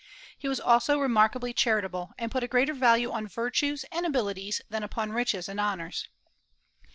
He was also remarkably charitable, and put a greater value on virtues and abilities than upon riches and honors.